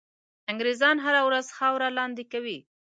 انګرېزان هره ورځ خاوره لاندي کوي.